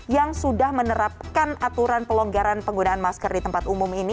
yang sudah menerapkan aturan pelonggaran penggunaan masker di tempat umum ini